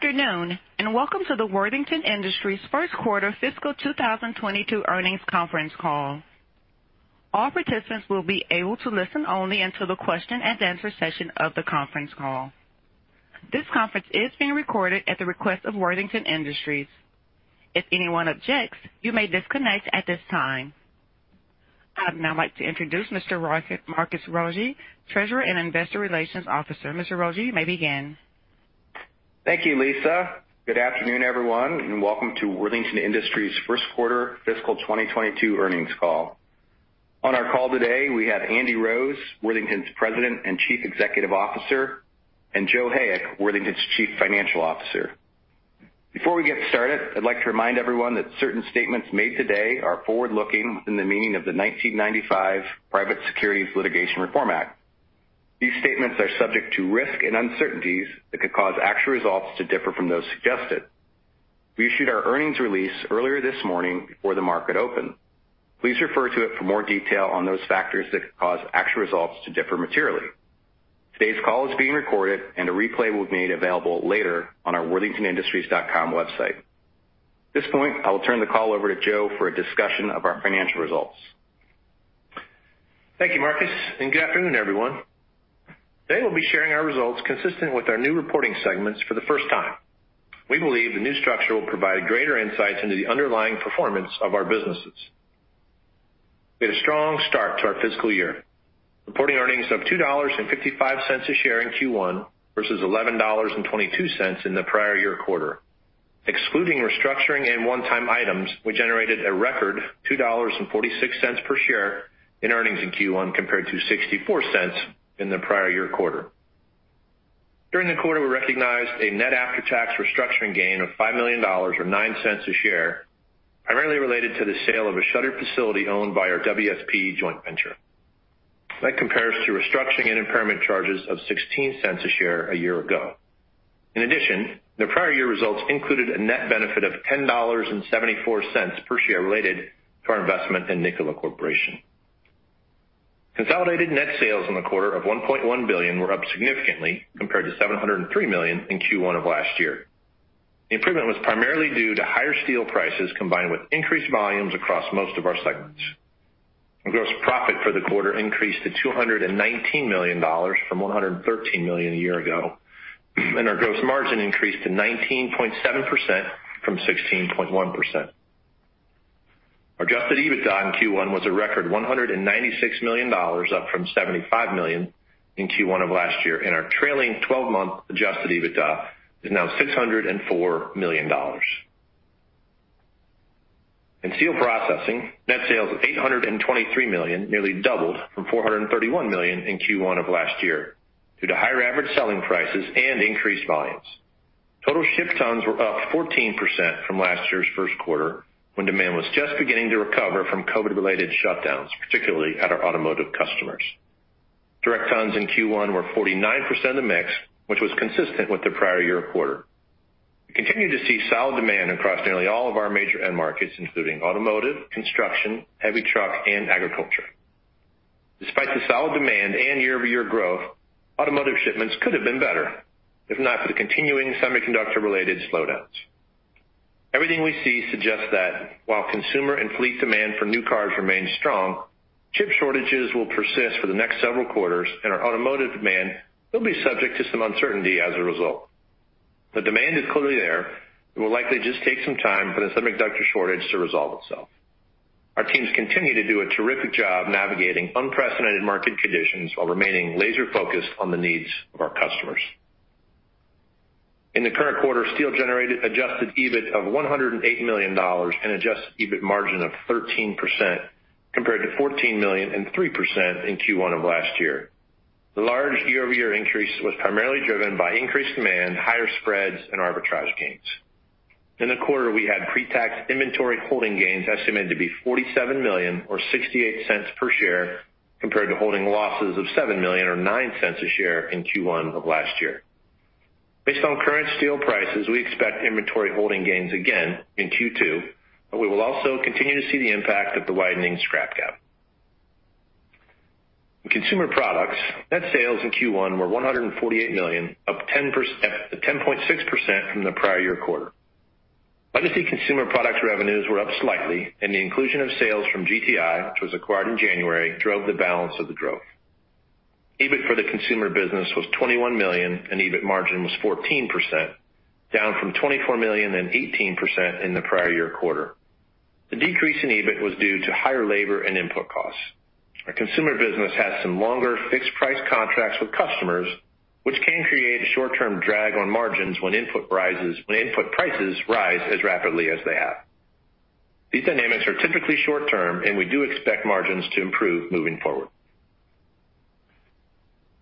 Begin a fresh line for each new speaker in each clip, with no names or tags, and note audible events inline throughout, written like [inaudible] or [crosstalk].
Good afternoon, and welcome to the Worthington Industries First Quarter Fiscal 2022 Earnings Conference Call. All participants will be able to listen only until the question-and-answer session of the conference call. This conference is being recorded at the request of Worthington Industries. If anyone objects, you may disconnect at this time. I'd now like to introduce Mr. Marcus Rogier, Treasurer and Investor Relations Officer. Mr. Rogier, you may begin.
Thank you, Lisa. Good afternoon, everyone, welcome to Worthington Enterprises First Quarter Fiscal 2022 Earnings Call. On our call today, we have Andy Rose, Worthington's President and Chief Executive Officer, and Joe Hayek, Worthington's Chief Financial Officer. Before we get started, I'd like to remind everyone that certain statements made today are forward-looking within the meaning of the 1995 Private Securities Litigation Reform Act. These statements are subject to risk and uncertainties that could cause actual results to differ from those suggested. We issued our earnings release earlier this morning before the market opened. Please refer to it for more detail on those factors that could cause actual results to differ materially. Today's call is being recorded, a replay will be made available later on our worthingtonenterprises.com website. At this point, I will turn the call over to Joe for a discussion of our financial results.
Thank you, Marcus, and good afternoon, everyone. Today we'll be sharing our results consistent with our new reporting segments for the first time. We believe the new structure will provide greater insights into the underlying performance of our businesses. We had a strong start to our fiscal year, reporting earnings of $2.55 a share in Q1 versus $11.22 in the prior year quarter. Excluding restructuring and one-time items, we generated a record $2.46 per share in earnings in Q1 compared to $0.64 in the prior year quarter. During the quarter, we recognized a net after-tax restructuring gain of $5 million, or $0.09 a share, primarily related to the sale of a shuttered facility owned by our WSP joint venture. That compares to restructuring and impairment charges of $0.16 a share a year ago. In addition, the prior year results included a net benefit of $10.74 per share related to our investment in Nikola Corporation. Consolidated net sales in the quarter of $1.1 billion were up significantly compared to $703 million in Q1 of last year. The improvement was primarily due to higher steel prices combined with increased volumes across most of our segments. Our gross profit for the quarter increased to $219 million from $113 million a year ago, and our gross margin increased to 19.7% from 16.1%. Our adjusted EBITDA in Q1 was a record $196 million, up from $75 million in Q1 of last year, and our trailing 12-month adjusted EBITDA is now $604 million. In steel processing, net sales of $823 million nearly doubled from $431 million in Q1 of last year due to higher average selling prices and increased volumes. Total shipped tons were up 14% from last year's first quarter, when demand was just beginning to recover from COVID-related shutdowns, particularly at our automotive customers. Direct tons in Q1 were 49% of mix, which was consistent with the prior year quarter. We continue to see solid demand across nearly all of our major end markets, including automotive, construction, heavy truck, and agriculture. Despite the solid demand and year-over-year growth, automotive shipments could have been better if not for the continuing semiconductor-related slowdowns. Everything we see suggests that while consumer and fleet demand for new cars remains strong, chip shortages will persist for the next several quarters, and our automotive demand will be subject to some uncertainty as a result. The demand is clearly there. It will likely just take some time for the semiconductor shortage to resolve itself. Our teams continue to do a terrific job navigating unprecedented market conditions while remaining laser-focused on the needs of our customers. In the current quarter, steel generated adjusted EBIT of $108 million and adjusted EBIT margin of 13%, compared to $14 million and 3% in Q1 of last year. The large year-over-year increase was primarily driven by increased demand, higher spreads, and arbitrage gains. In the quarter, we had pre-tax inventory holding gains estimated to be $47 million or $0.68 per share, compared to holding losses of $7 million or $0.09 a share in Q1 of last year. Based on current steel prices, we expect inventory holding gains again in Q2, but we will also continue to see the impact of the widening scrap gap. In Consumer Products, net sales in Q1 were $148 million, up 10.6% from the prior year quarter. Legacy Consumer Products revenues were up slightly, and the inclusion of sales from GTI, which was acquired in January, drove the balance of the growth. EBIT for the Consumer Products business was $21 million, and EBIT margin was 14%, down from $24 million and 18% in the prior year quarter. The decrease in EBIT was due to higher labor and input costs. Our Consumer Products business has some longer fixed-price contracts with customers, which can create short-term drag on margins when input prices rise as rapidly as they have. These dynamics are typically short-term, and we do expect margins to improve moving forward.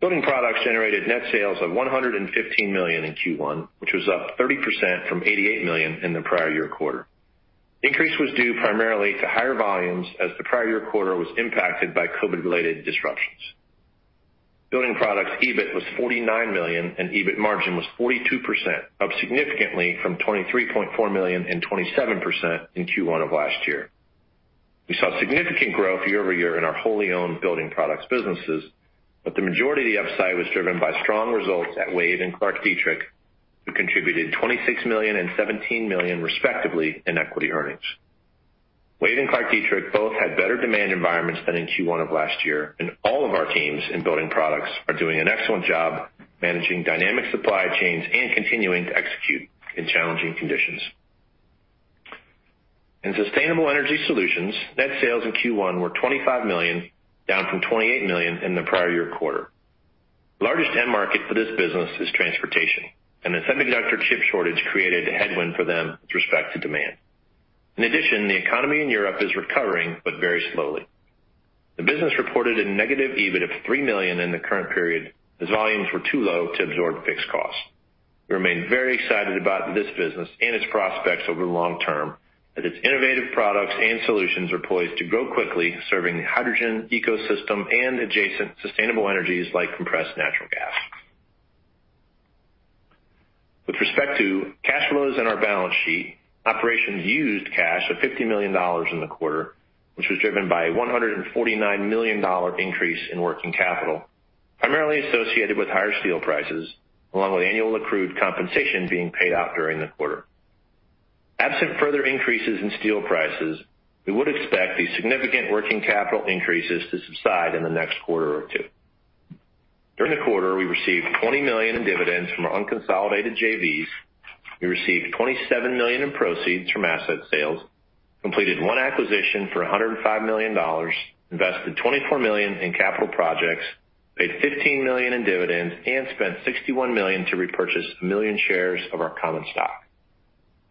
Building Products generated net sales of $115 million in Q1, which was up 30% from $88 million in the prior year quarter. The increase was due primarily to higher volumes as the prior year quarter was impacted by COVID-related disruptions. Building Products EBIT was $49 million, and EBIT margin was 42%, up significantly from $23.4 million and 27% in Q1 of last year. We saw significant growth year-over-year in our wholly owned Building Products businesses, but the majority of the upside was driven by strong results at WAVE and ClarkDietrich, who contributed $26 million and $17 million, respectively, in equity earnings. WAVE and ClarkDietrich both had better demand environments than in Q1 of last year, and all of our teams in Building Products are doing an excellent job managing dynamic supply chains and continuing to execute in challenging conditions. In Sustainable Energy Solutions, net sales in Q1 were $25 million, down from $28 million in the prior year quarter. The largest end market for this business is transportation, and the semiconductor chip shortage created a headwind for them with respect to demand. In addition, the economy in Europe is recovering, but very slowly. The business reported a negative EBIT of $3 million in the current period, as volumes were too low to absorb fixed costs. We remain very excited about this business and its prospects over the long term, as its innovative products and solutions are poised to grow quickly, serving the hydrogen ecosystem and adjacent sustainable energies like compressed natural gas. With respect to cash flows and our balance sheet, operations used cash of $50 million in the quarter, which was driven by a $149 million increase in working capital, primarily associated with higher steel prices, along with annual accrued compensation being paid out during the quarter. Absent further increases in steel prices, we would expect these significant working capital increases to subside in the next quarter or two. During the quarter, we received $20 million in dividends from our unconsolidated JVs. We received $27 million in proceeds from asset sales, completed one acquisition for $105 million, invested $24 million in capital projects, paid $15 million in dividends, and spent $61 million to repurchase 1 million shares of our common stock.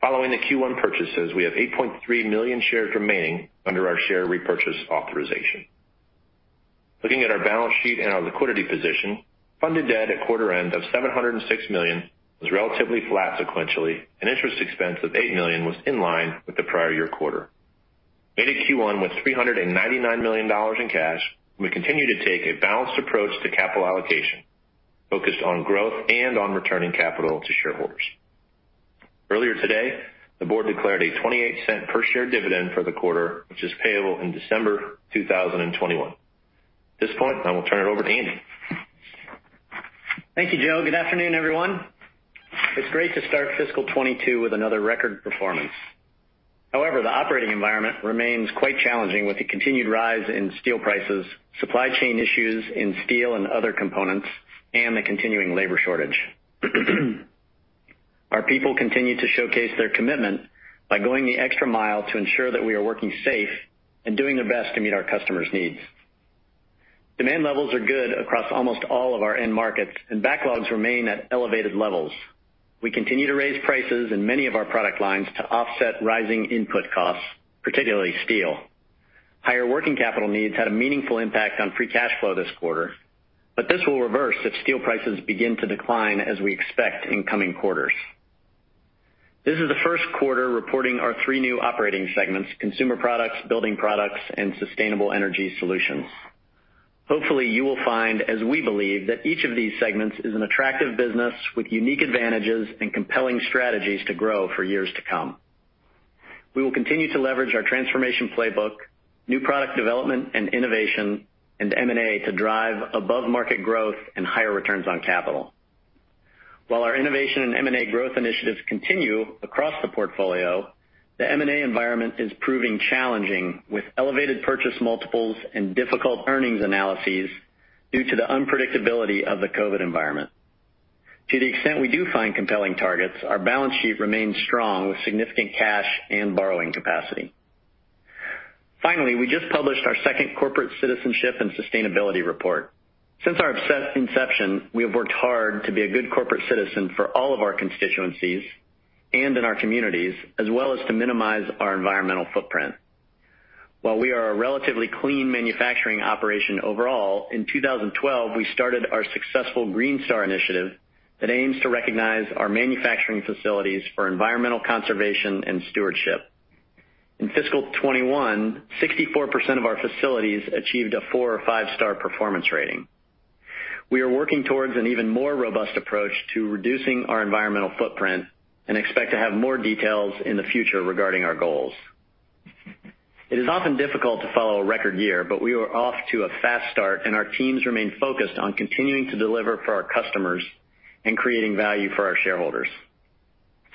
Following the Q1 purchases, we have 8.3 million shares remaining under our share repurchase authorization. Looking at our balance sheet and our liquidity position, funded debt at quarter end of $706 million was relatively flat sequentially, and interest expense of $8 million was in line with the prior year quarter. We made Q1 with $399 million in cash, and we continue to take a balanced approach to capital allocation, focused on growth and on returning capital to shareholders. Earlier today, the board declared a $0.28 per share dividend for the quarter, which is payable in December 2021. At this point, I will turn it over to Andy.
Thank you, Joe. Good afternoon, everyone. It's great to start fiscal 2022 with another record performance. However, the operating environment remains quite challenging with the continued rise in steel prices, supply chain issues in steel and other components, and the continuing labor shortage. Our people continue to showcase their commitment by going the extra mile to ensure that we are working safe and doing their best to meet our customers' needs. Demand levels are good across almost all of our end markets, and backlogs remain at elevated levels. We continue to raise prices in many of our product lines to offset rising input costs, particularly steel. Higher working capital needs had a meaningful impact on free cash flow this quarter, but this will reverse if steel prices begin to decline as we expect in coming quarters. This is the first quarter reporting our three new operating segments: Consumer Products, Building Products, and Sustainable Energy Solutions. Hopefully, you will find, as we believe, that each of these segments is an attractive business with unique advantages and compelling strategies to grow for years to come. We will continue to leverage our transformation playbook, new product development and innovation, and M&A to drive above-market growth and higher returns on capital. While our innovation and M&A growth initiatives continue across the portfolio, the M&A environment is proving challenging, with elevated purchase multiples and difficult earnings analyses due to the unpredictability of the COVID environment. To the extent we do find compelling targets, our balance sheet remains strong with significant cash and borrowing capacity. Finally, we just published our second corporate citizenship and sustainability report. Since our inception, we have worked hard to be a good corporate citizen for all of our constituencies and in our communities, as well as to minimize our environmental footprint. While we are a relatively clean manufacturing operation overall, in 2012, we started our successful Green Star initiative that aims to recognize our manufacturing facilities for environmental conservation and stewardship. In fiscal 2021, 64% of our facilities achieved a four or five-star performance rating. We are working towards an even more robust approach to reducing our environmental footprint and expect to have more details in the future regarding our goals. It is often difficult to follow a record year, but we are off to a fast start, and our teams remain focused on continuing to deliver for our customers and creating value for our shareholders.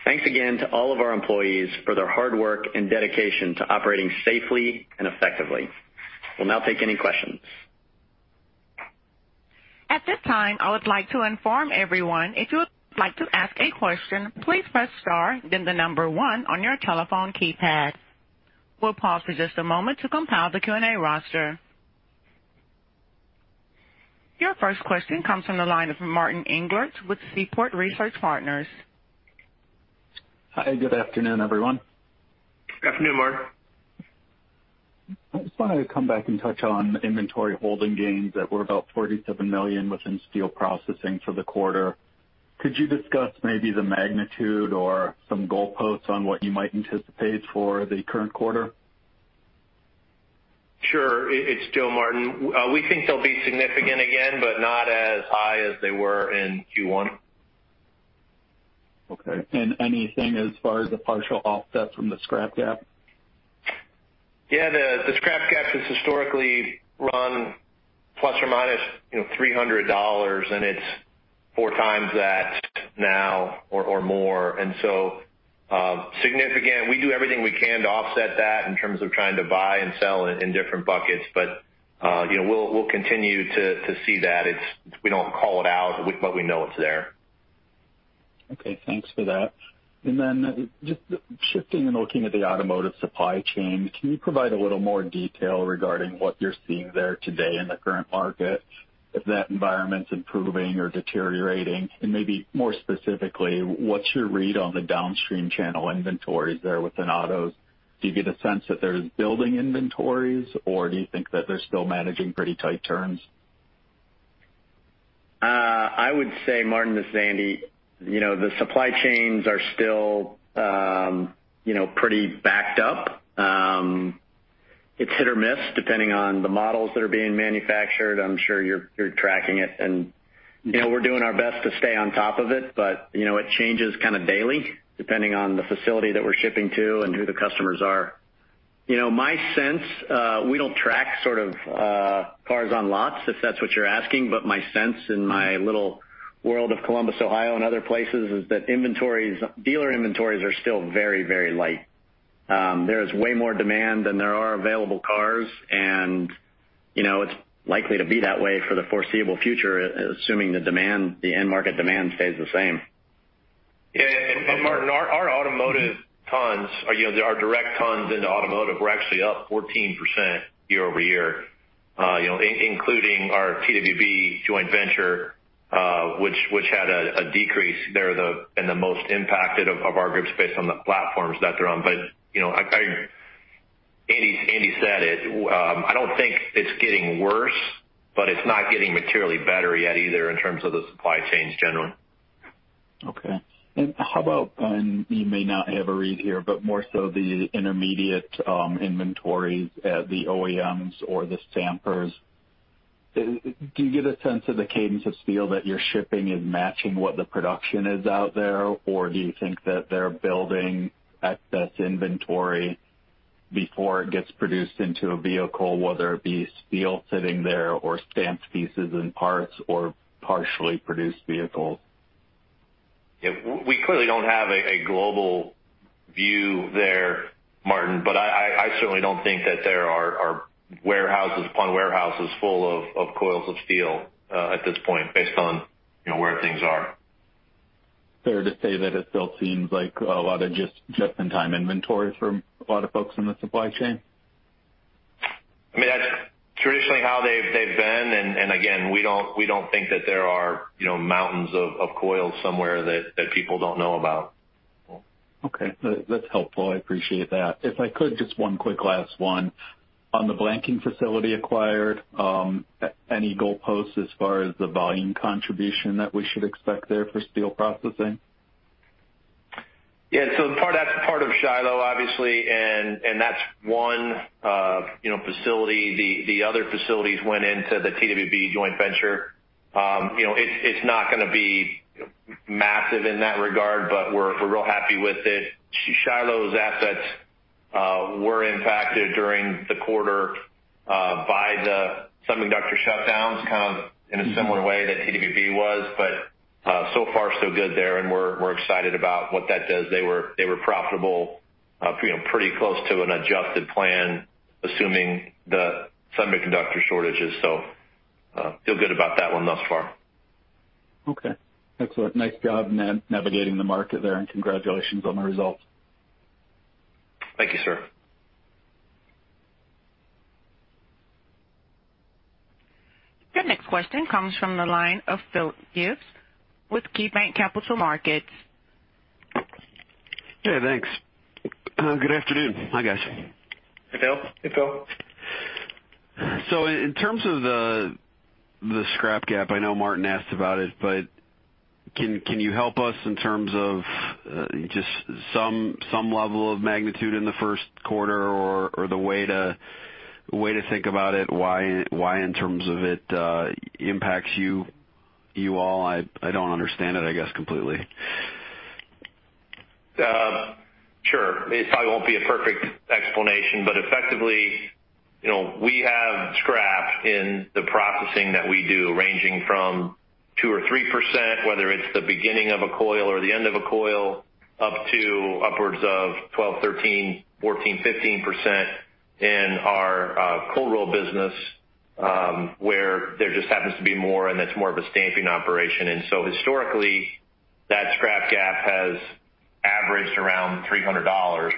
Thanks again to all of our employees for their hard work and dedication to operating safely and effectively. We will now take any questions.
At this time, I would like to inform everyone, if you like to ask a question please press star then the number one on your telephone keypad. We'll pause for just a moment to compile the Q&A roster. Your first question comes from the line of Martin Englert with Seaport Research Partners.
Hi, good afternoon, everyone.
Good afternoon, Martin.
I just wanted to come back and touch on inventory holding gains that were about $47 million within steel processing for the quarter. Could you discuss maybe the magnitude or some goalposts on what you might anticipate for the current quarter?
Sure. It's Joe, Martin. We think they'll be significant again, but not as high as they were in Q1.
Okay. anything as far as the partial offset from the scrap gap?
Yeah, the scrap gap has historically run ±$300, it's four times that now or more. It's significant. We do everything we can to offset that in terms of trying to buy and sell in different buckets. We'll continue to see that. We don't call it out, but we know it's there.
Okay. Thanks for that. Then just shifting and looking at the automotive supply chain, can you provide a little more detail regarding what you're seeing there today in the current market? If that environment's improving or deteriorating, and maybe more specifically, what's your read on the downstream channel inventories there within autos? Do you get a sense that they're building inventories, or do you think that they're still managing pretty tight turns?
I would say, Martin, this is Andy. The supply chains are still pretty backed up. It's hit or miss, depending on the models that are being manufactured. I'm sure you're tracking it, and we're doing our best to stay on top of it, but it changes kind of daily, depending on the facility that we're shipping to and who the customers are. My sense, we don't track cars on lots, if that's what you're asking, but my sense in my little world of Columbus, Ohio, and other places, is that dealer inventories are still very light. There is way more demand than there are available cars, and it's likely to be that way for the foreseeable future, assuming the end market demand stays the same.
Yeah. Martin, our automotive tons, our direct tons into automotive, were actually up 14% year-over-year including our TWB joint venture, which had a decrease there, and the most impacted of our groups based on the platforms that they're on. Andy said it. I don't think it's getting worse, but it's not getting materially better yet either in terms of the supply chains generally.
Okay. How about, and you may not have a read here, but more so the intermediate inventories at the OEMs or the stampers. Do you get a sense of the cadence of steel that you're shipping is matching what the production is out there, or do you think that they're building excess inventory before it gets produced into a vehicle, whether it be steel sitting there or stamped pieces and parts or partially produced vehicles?
Yeah. We clearly don't have a global view there, Martin, but I certainly don't think that there are warehouses upon warehouses full of coils of steel at this point based on where things are.
Fair to say that it still seems like a lot of just-in-time inventory for a lot of folks in the supply chain?
That's traditionally how they've been. Again, we don't think that there are mountains of coils somewhere that people don't know about.
Cool. Okay. That's helpful. I appreciate that. If I could, just one quick last one. On the blanking facility acquired, any goalposts as far as the volume contribution that we should expect there for steel processing?
Yeah. That's part of Shiloh, obviously, and that's one facility. The other facilities went into the TWB joint venture. It's not going to be massive in that regard, but we're real happy with it. Shiloh's assets were impacted during the quarter by the semiconductor shutdowns, kind of in a similar way that TWB was. So far so good there, and we're excited about what that does. They were profitable pretty close to an adjusted plan, assuming the semiconductor shortages, so feel good about that one thus far.
Okay. Excellent. Nice job navigating the market there. Congratulations on the results.
Thank you, sir.
Your next question comes from the line of Phil Gibbs with KeyBanc Capital Markets.
Yeah, thanks. Good afternoon. Hi, guys.
Hey, Phil.
Hey, Phil.
In terms of the scrap gap, I know Martin asked about it, but can you help us in terms of just some level of magnitude in the first quarter or the way to think about it? Why in terms of it impacts you all? I don't understand it, I guess, completely.
Sure. It probably won't be a perfect explanation, but effectively, we have scrap in the processing that we do, ranging from 2% or 3%, whether it's the beginning of a coil or the end of a coil, up to upwards of 12%, 13%, 14%, 15% in our cold roll business, where there just happens to be more, and that's more of a stamping operation. Historically, that scrap gap has averaged around $300,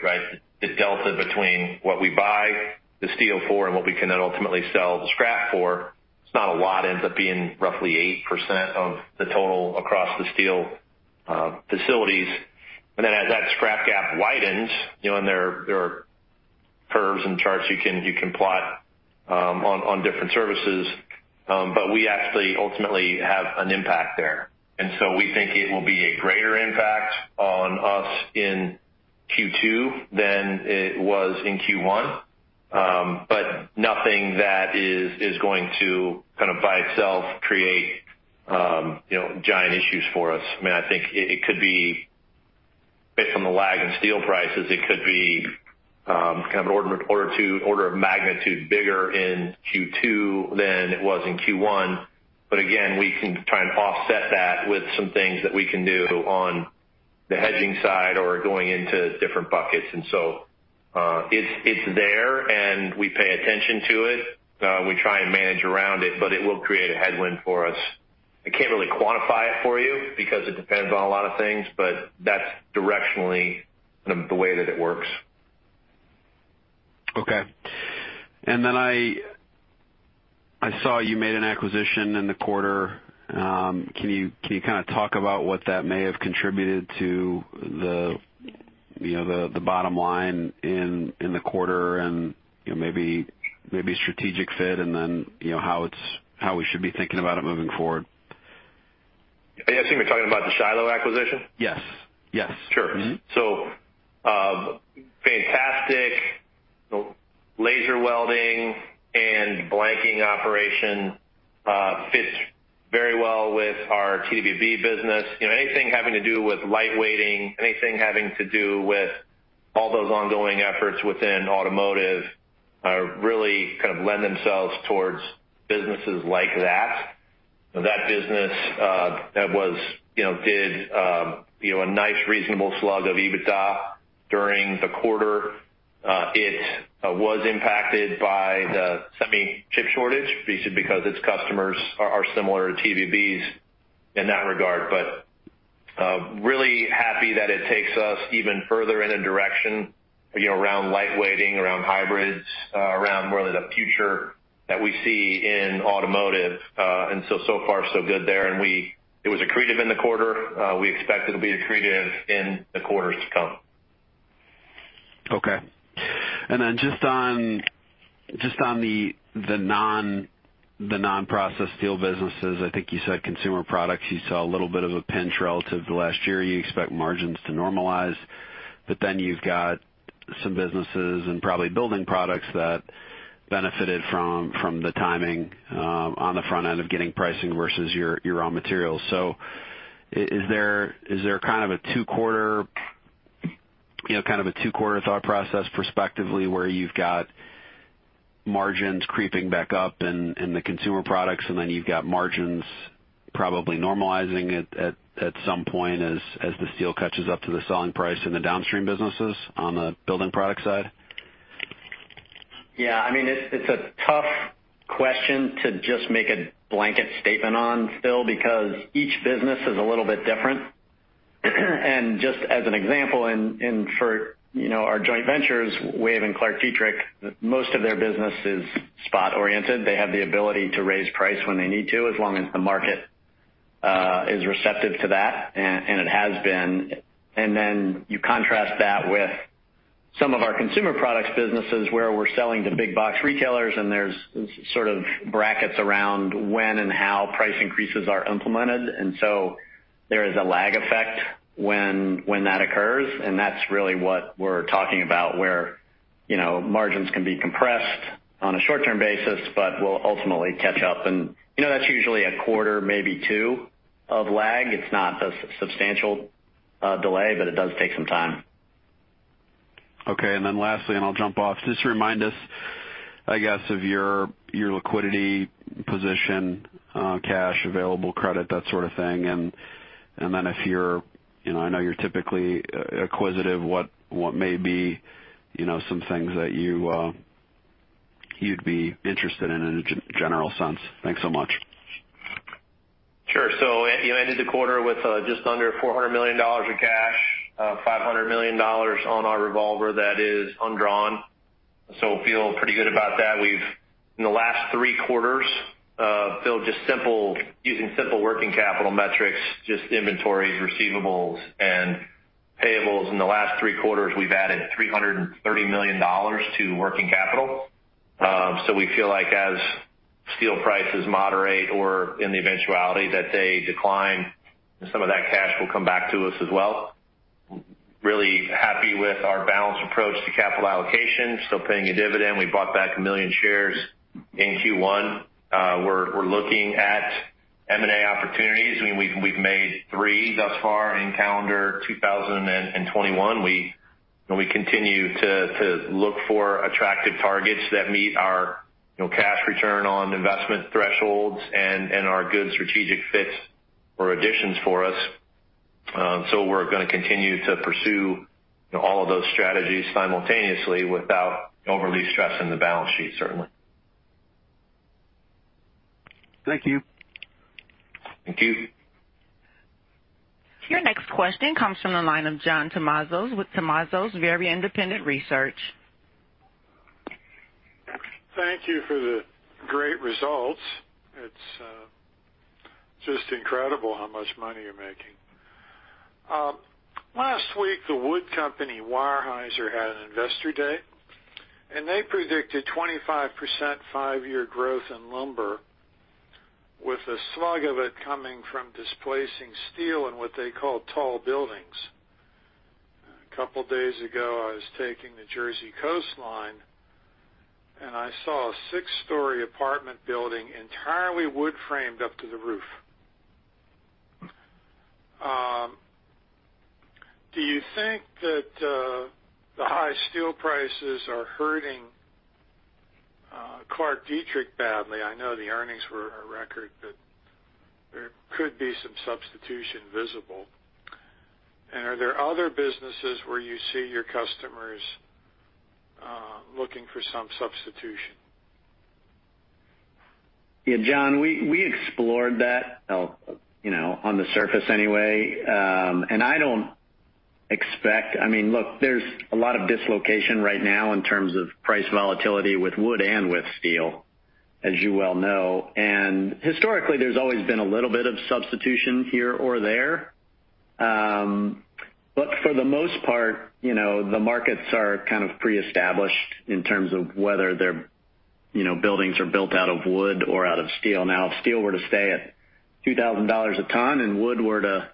right? The delta between what we buy the steel for and what we can then ultimately sell the scrap for. It's not a lot. It ends up being roughly 8% of the total across the steel facilities. As that scrap gap widens, and there are curves and charts you can plot on different services. We actually ultimately have an impact there. We think it will be a greater impact on us in Q2 than it was in Q1. Nothing that is going to by itself create giant issues for us. Based on the lag in steel prices, it could be an order of magnitude bigger in Q2 than it was in Q1. Again, we can try and offset that with some things that we can do on the hedging side or going into different buckets. It's there, and we pay attention to it. We try and manage around it, but it will create a headwind for us. I can't really quantify it for you because it depends on a lot of things, but that's directionally the way that it works.
Okay. I saw you made an acquisition in the quarter. Can you talk about what that may have contributed to the bottom line in the quarter and maybe strategic fit and then, how we should be thinking about it moving forward?
I assume you're talking about the Shiloh acquisition?
Yes.
Sure. Fantastic laser welding and blanking operation fits very well with our TWB business. Anything having to do with lightweighting, anything having to do with all those ongoing efforts within automotive, really lend themselves towards businesses like that. That business did a nice reasonable slug of EBITDA during the quarter. It was impacted by the semi chip shortage, basically because its customers are similar to TWB's in that regard. Really happy that it takes us even further in a direction around lightweighting, around hybrids, around really the future that we see in automotive. So far so good there. It was accretive in the quarter. We expect it'll be accretive in the quarters to come.
Okay. Just on the non-process steel businesses, I think you said Consumer Products, you saw a little bit of a pinch relative to last year. You expect margins to normalize, you've got some businesses and probably Building Products that benefited from the timing on the front end of getting pricing versus your raw materials. Is there a two-quarter thought process perspectively where you've got margins creeping back up in the Consumer Products, and then you've got margins probably normalizing at some point as the steel catches up to the selling price in the downstream businesses on the Building Products side?
Yeah, it's a tough question to just make a blanket statement on still, because each business is a little bit different. Just as an example, for our joint ventures, WAVE and ClarkDietrich, most of their business is spot-oriented. They have the ability to raise price when they need to, as long as the market is receptive to that, and it has been. Then you contrast that with some of our Consumer Products businesses where we're selling to big box retailers, and there's brackets around when and how price increases are implemented. There is a lag effect when that occurs, and that's really what we're talking about, where margins can be compressed on a short-term basis, but will ultimately catch up and that's usually a quarter, maybe two, of lag. It's not a substantial delay, but it does take some time.
Okay, lastly, I'll jump off. Just remind us, I guess, of your liquidity position, cash, available credit, that sort of thing. I know you're typically acquisitive, what may be some things that you'd be interested in in a general sense. Thanks so much.
Sure. Ended the quarter with just under $400 million of cash, $500 million on our revolver that is undrawn. Feel pretty good about that. In the last three quarters, using simple working capital metrics, just inventories, receivables, and payables. In the last three quarters, we've added $330 million to working capital. We feel like as steel prices moderate or in the eventuality that they decline, some of that cash will come back to us as well. Really happy with our balanced approach to capital allocation. Still paying a dividend. We bought back 1 million shares in Q1. We're looking at M&A opportunities. We've made three thus far in calendar 2021. We continue to look for attractive targets that meet our cash return on investment thresholds and are good strategic fits or additions for us. We're going to continue to pursue all of those strategies simultaneously without overly stressing the balance sheet, certainly.
Thank you.
Thank you.
Your next question comes from the line of John Tumazos with John Tumazos Very Independent Research.
Thank you for the great results. It's just incredible how much money you're making. Last week, the wood company, Weyerhaeuser, had an investor day, and they predicted 25% five-year growth in lumber. With a slug of it coming from displacing steel in what they call tall buildings. A couple days ago, I was taking the Jersey coastline, and I saw a six-story apartment building entirely wood framed up to the roof. Do you think that the high steel prices are hurting ClarkDietrich badly? I know the earnings were a record, but there could be some substitution visible. Are there other businesses where you see your customers looking for some substitution?
Yeah, John, we explored that on the surface anyway. I don't expect. Look, there's a lot of dislocation right now in terms of price volatility with wood and with steel, as you well know. Historically, there's always been a little bit of substitution here or there. For the most part, the markets are pre-established in terms of whether their buildings are built out of wood or out of steel. If steel were to stay at $2,000 a ton and wood were to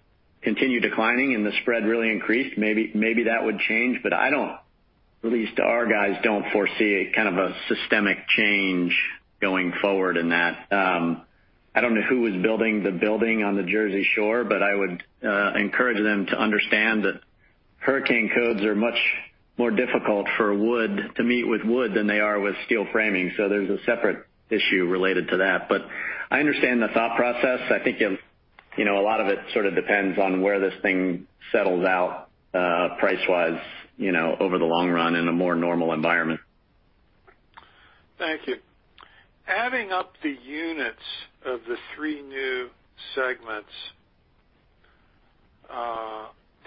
continue declining and the spread really increased, maybe that would change. At least our guys don't foresee a systemic change going forward in that. I don't know who was building the building on the Jersey Shore, but I would encourage them to understand that hurricane codes are much more difficult to meet with wood than they are with steel framing. There's a separate issue related to that. I understand the thought process. I think a lot of it sort of depends on where this thing settles out price-wise over the long run in a more normal environment.
Thank you. Adding up the units of the three new segments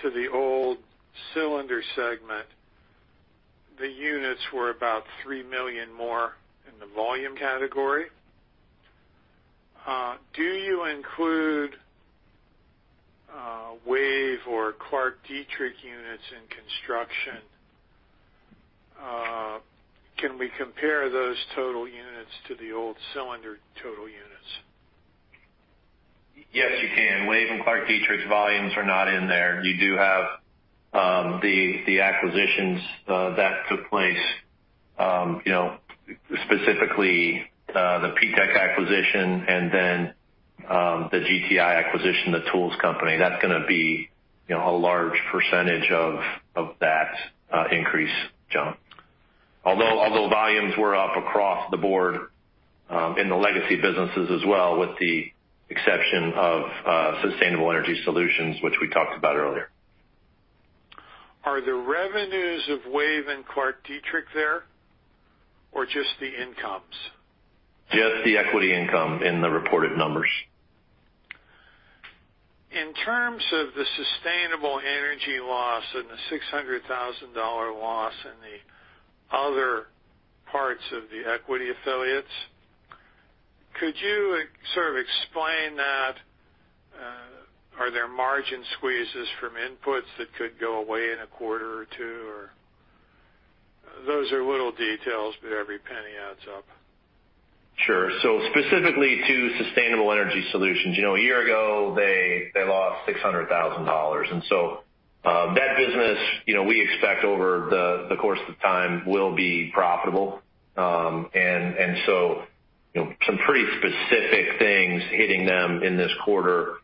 to the old cylinder segment, the units were about 3 million more in the volume category. Do you include WAVE or ClarkDietrich units in construction? Can we compare those total units to the old cylinder total units?
Yes, you can. WAVE and ClarkDietrich volumes are not in there. You do have the acquisitions that took place, specifically the PTEC acquisition and then the GTI acquisition, the tools company. That's going to be a large percentage of that increase, John. Although volumes were up across the board in the legacy businesses as well, with the exception of Sustainable Energy Solutions, which we talked about earlier.
Are the revenues of WAVE and ClarkDietrich there or just the incomes?
Just the equity income in the reported numbers.
In terms of the Sustainable Energy loss and the $600,000 loss in the other parts of the equity affiliates, could you sort of explain that? Are there margin squeezes from inputs that could go away in a quarter or two? Those are little details, but every penny adds up.
Sure. Specifically to Sustainable Energy Solutions, a year ago, they lost $600,000. That business, we expect over the course of time will be profitable. Some pretty specific things hitting them in this quarter.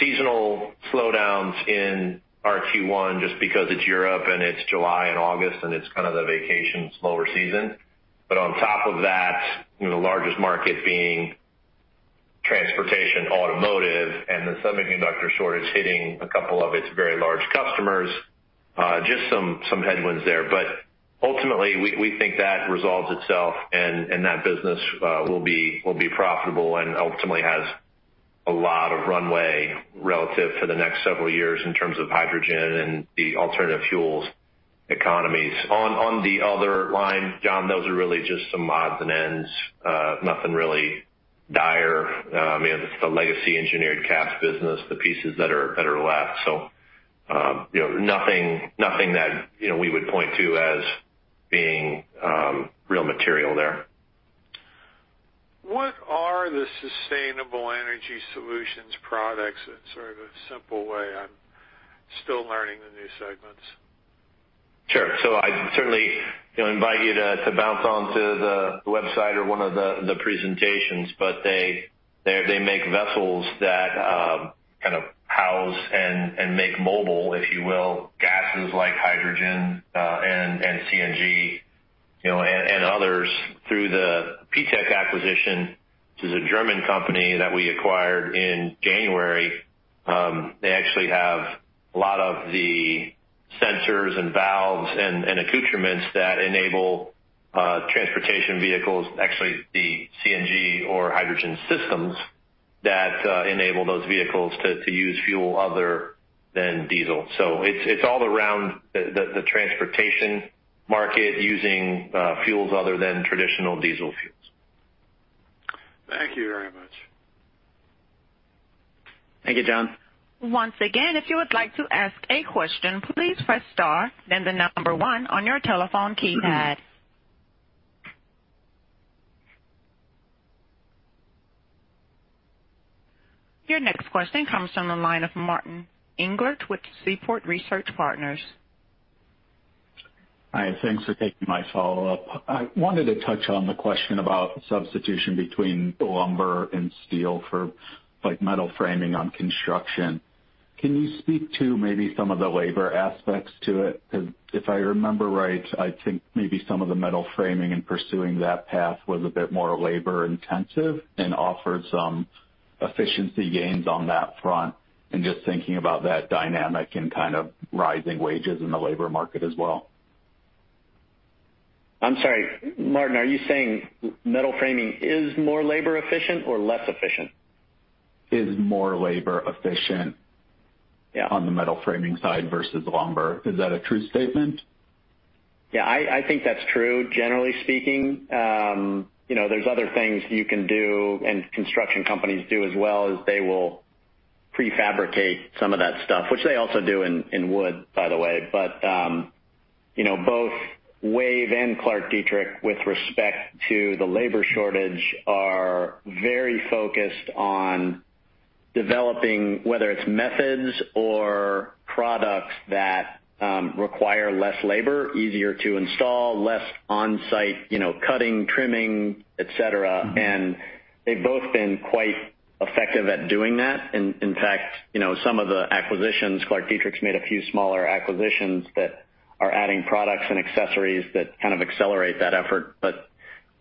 Seasonal slowdowns in our Q1, just because it's Europe and it's July and August, and it's kind of the vacation slower season. On top of that, the largest market being transportation, automotive, and the semiconductor shortage hitting a couple of its very large customers. Just some headwinds there, but ultimately, we think that resolves itself, and that business will be profitable and ultimately has a lot of runway relative for the next several years in terms of hydrogen and the alternative fuels economies. On the other line, John, those are really just some odds and ends. Nothing really dire. I mean, it's the legacy engineered cast business, the pieces that are left. Nothing that we would point to as being real material there.
What are the Sustainable Energy Solutions products in sort of a simple way? I'm still learning the new segments.
Sure. I certainly invite you to bounce onto the website or one of the presentations. They make vessels that kind of house and make mobile, if you will, gases like hydrogen and CNG and others through the PTEC acquisition, which is a German company that we acquired in January. They actually have a lot of the sensors and valves and accoutrements that enable transportation vehicles, actually the CNG or hydrogen systems that enable those vehicles to use fuel other than diesel. It's all around the transportation market using fuels other than traditional diesel fuels.
Thank you very much.
Thank you, John.
Once again, if you would like to ask a question please press star then the number one on your telephone keypad. Your next question comes from the line of Martin Englert with Seaport Research Partners.
Hi, thanks for taking my follow-up. I wanted to touch on the question about substitution between lumber and steel for metal framing on construction. Can you speak to maybe some of the labor aspects to it? Because if I remember right, I think maybe some of the metal framing and pursuing that path was a bit more labor-intensive and offered some efficiency gains on that front, and just thinking about that dynamic and kind of rising wages in the labor market as well.
I'm sorry, Martin, are you saying metal framing is more labor efficient or less efficient?
Is more labor efficient.
Yeah
On the metal framing side versus lumber, is that a true statement?
Yeah, I think that's true, generally speaking. There's other things you can do, and construction companies do as well, is they will pre-fabricate some of that stuff, which they also do in wood, by the way. Both WAVE and ClarkDietrich, with respect to the labor shortage, are very focused on developing, whether it's methods or products that require less labor, easier to install, less on-site cutting, trimming, et cetera. They've both been quite effective at doing that. In fact, some of the acquisitions, ClarkDietrich's made a few smaller acquisitions that are adding products and accessories that kind of accelerate that effort.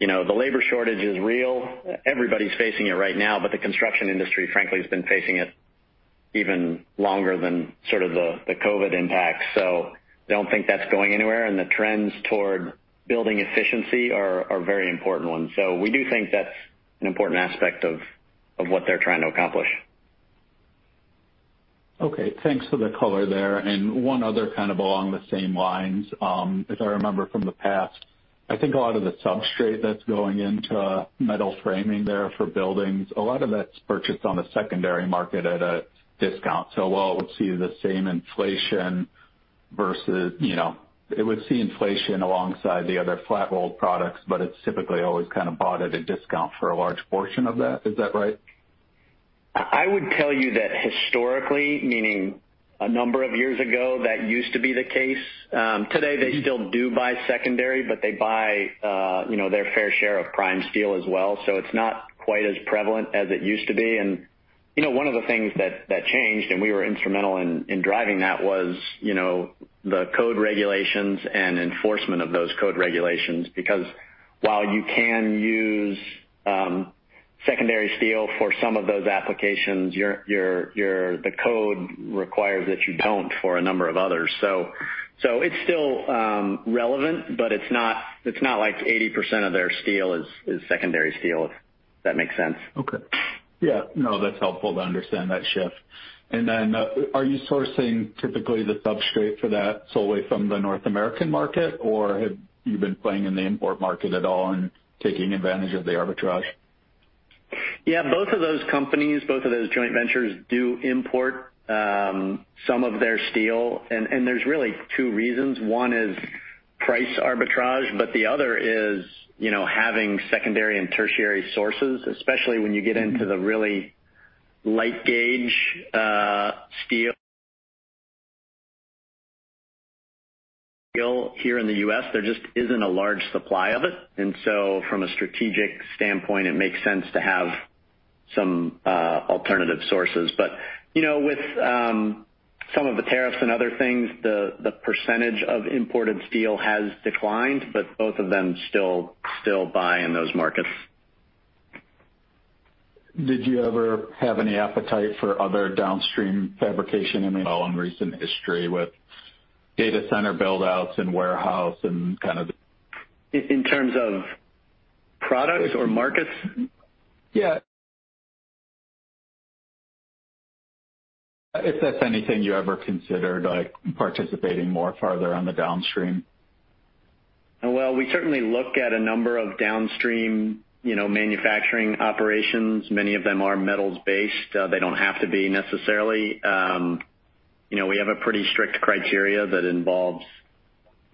The labor shortage is real. Everybody's facing it right now, but the construction industry, frankly, has been facing it even longer than sort of the COVID impact. Don't think that's going anywhere, and the trends toward building efficiency are very important ones. We do think that's an important aspect of what they're trying to accomplish.
Okay. Thanks for the color there. One other kind of along the same lines. As I remember from the past, I think a lot of the substrate that's going into metal framing there for buildings, a lot of that's purchased on the secondary market at a discount. While it would see the same inflation, it would see inflation alongside the other flat-rolled products, it's typically always kind of bought at a discount for a large portion of that. Is that right?
I would tell you that historically, meaning a number of years ago, that used to be the case. Today, they still do buy secondary, but they buy their fair share of prime steel as well. It's not quite as prevalent as it used to be. One of the things that changed, and we were instrumental in driving that was, the code regulations and enforcement of those code regulations. Because while you can use secondary steel for some of those applications, the code requires that you don't for a number of others. It's still relevant, but it's not like 80% of their steel is secondary steel, if that makes sense.
Okay. Yeah, no, that's helpful to understand that shift. Are you sourcing typically the substrate for that solely from the North American market, or have you been playing in the import market at all and taking advantage of the arbitrage?
Yeah. Both of those companies, both of those joint ventures, do import some of their steel. There's really two reasons. One is price arbitrage, but the other is having secondary and tertiary sources, especially when you get into the really light gauge steel here in the U.S. There just isn't a large supply of it. From a strategic standpoint, it makes sense to have some alternative sources. With some of the tariffs and other things, the percentage of imported steel has declined, but both of them still buy in those markets.
Did you ever have any appetite for other downstream fabrication in recent history with data center build-outs and warehouse?
In terms of products or markets?
Yeah. If that's anything you ever considered, like participating more farther on the downstream.
Well, we certainly look at a number of downstream manufacturing operations. Many of them are metals based. They don't have to be necessarily. We have a pretty strict criteria that involves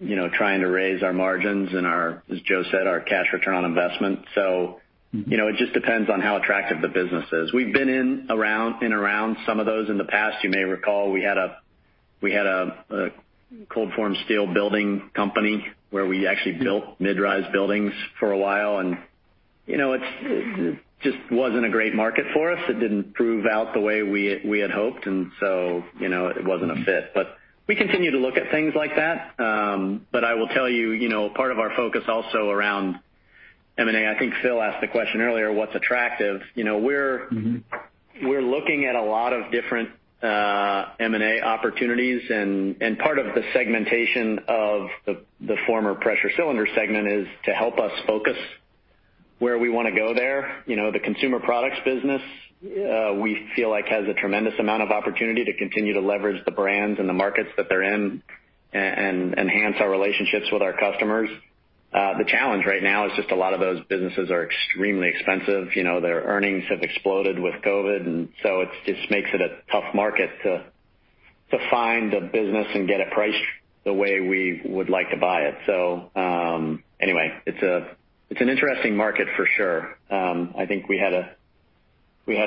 trying to raise our margins and our, as Joe said, our cash return on investment. It just depends on how attractive the business is. We've been in and around some of those in the past. You may recall we had a cold form steel building company where we actually built mid-rise buildings for a while. It just wasn't a great market for us. It didn't prove out the way we had hoped. It wasn't a fit. We continue to look at things like that. I will tell you, part of our focus also around M&A, I think Phil asked the question earlier, what's attractive? We're looking at a lot of different M&A opportunities, and part of the segmentation of the former pressure cylinder segment is to help us focus where we want to go there. The Consumer Products business, we feel like has a tremendous amount of opportunity to continue to leverage the brands and the markets that they're in and enhance our relationships with our customers. The challenge right now is just a lot of those businesses are extremely expensive. Their earnings have exploded with COVID, and so it just makes it a tough market to find a business and get it priced the way we would like to buy it. Anyway, it's an interesting market for sure. I think we had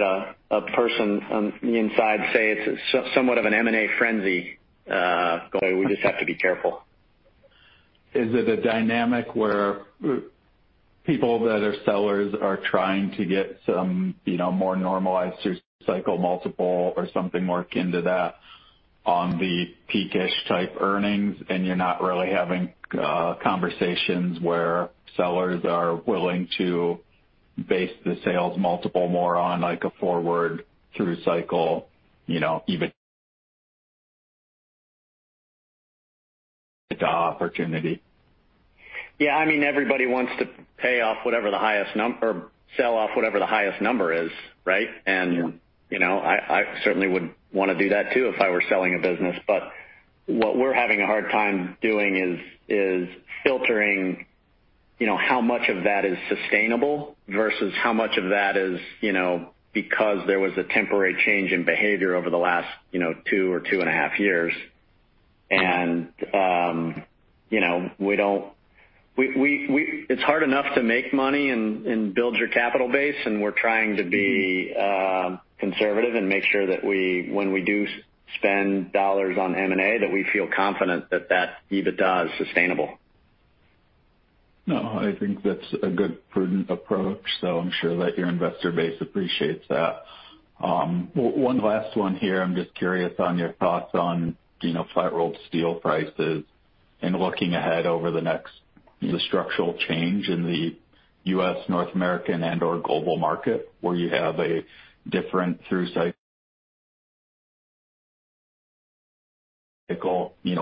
a person on the inside say it's somewhat of M&A frenzy going. We just have to be careful.
Is it a dynamic where people that are sellers are trying to get some more normalized through cycle multiple or something more akin to that on the peak-ish type earnings, and you're not really having conversations where sellers are willing to base the sales multiple more on a forward through cycle, even the opportunity?
Yeah. Everybody wants to pay off or sell off whatever the highest number is, right?
Yeah.
I certainly would want to do that too if I were selling a business. What we're having a hard time doing is filtering how much of that is sustainable versus how much of that is because there was a temporary change in behavior over the last two or two and a half years. It's hard enough to make money and build your capital base, and we're trying to be conservative and make sure that when we do spend dollars on M&A, that we feel confident that that EBITDA is sustainable.
No, I think that's a good, prudent approach. I'm sure that your investor base appreciates that. One last one here. I'm just curious on your thoughts on flat rolled steel prices and looking ahead over the next structural change in the U.S., North American, and/or global market, where you have a different through cycle,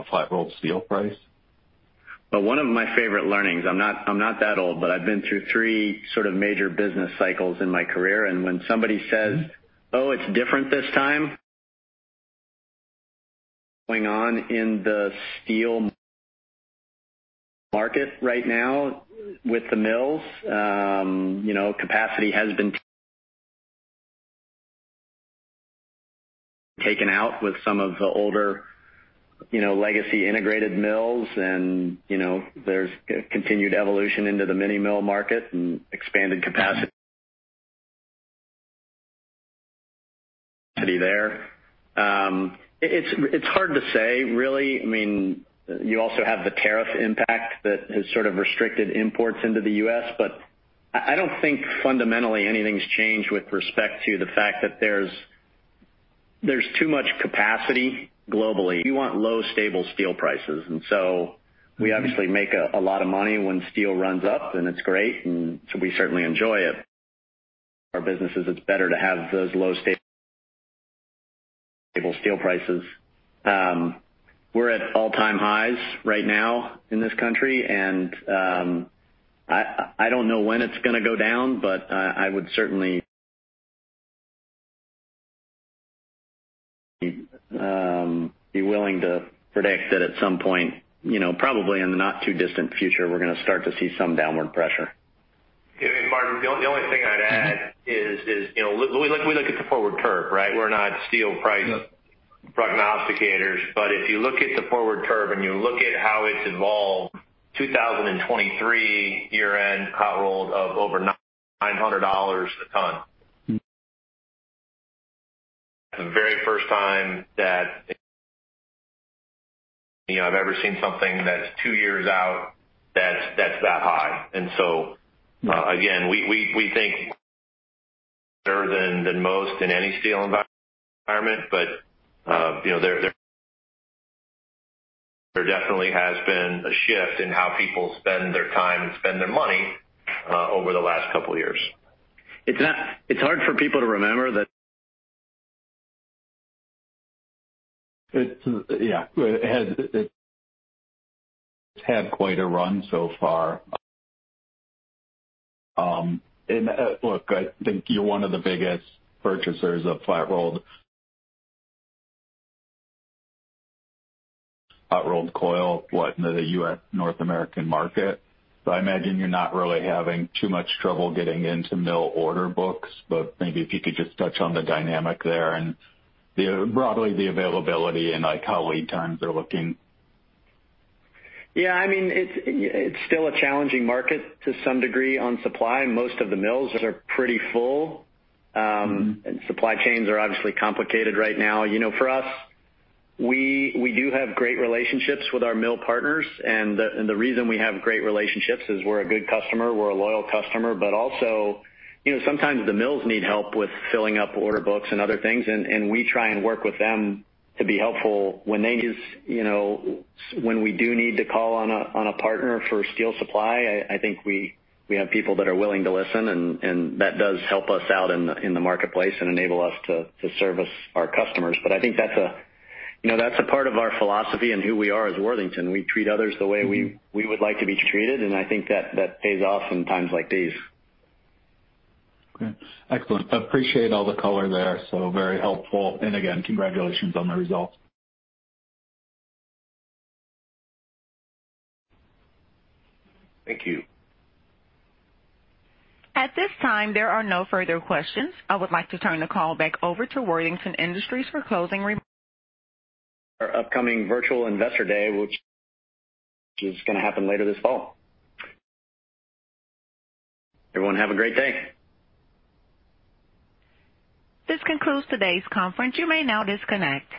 flat rolled steel price.
Well, one of my favorite learnings, I'm not that old, but I've been through three sort of major business cycles in my career. When somebody says, "Oh, it's different this time" going on in the steel market right now with the mills. Capacity has been taken out with some of the older legacy integrated mills, and there's continued evolution into the mini mill market and expanded capacity there. It's hard to say, really. You also have the tariff impact that has sort of restricted imports into the U.S., but I don't think fundamentally anything's changed with respect to the fact that there's too much capacity globally. We want low, stable steel prices. We obviously make a lot of money when steel runs up, and it's great, and so we certainly enjoy it. Our business is it's better to have those low, stable steel prices. We're at all-time highs right now in this country. I don't know when it's going to go down. I would certainly be willing to predict that at some point, probably in the not too distant future, we're going to start to see some downward pressure.
Martin, the only thing I'd add is we look at the forward curve, right. We're not steel price prognosticators. If you look at the forward curve and you look at how it's evolved, 2023 year-end hot rolled of over $900 a ton. The very first time that I've ever seen something that's two years out that's that high. Again, we think better than most in any steel environment. There definitely has been a shift in how people spend their time and spend their money over the last couple of years.
It's hard for people to remember that.
Yeah. It's [inaudible] quite a run so far. Look, I think you're one of the biggest purchasers of flat rolled coil, what, in the U.S., North American market. I imagine you're not really having too much trouble getting into mill order books. Maybe if you could just touch on the dynamic there and broadly, the availability and like how lead times are looking.
Yeah. It's still a challenging market to some degree on supply. Most of the mills are pretty full. Supply chains are obviously complicated right now. For us, we do have great relationships with our mill partners, and the reason we have great relationships is we're a good customer, we're a loyal customer. Also, sometimes the mills need help with filling up order books and other things, and we try and work with them to be helpful when they need us. When we do need to call on a partner for steel supply, I think we have people that are willing to listen, and that does help us out in the marketplace and enable us to service our customers. I think that's a part of our philosophy and who we are as Worthington. We treat others the way we would like to be treated, and I think that pays off in times like these.
Okay. Excellent. Appreciate all the color there. Very helpful. Again, congratulations on the results.
Thank you.
At this time, there are no further questions. I would like to turn the call back over to Worthington Industries for closing. [inaudible]
Our upcoming virtual investor day, which [inaudible] gonna happen later this fall. Everyone have a great day.
This concludes today's conference. You may now disconnect.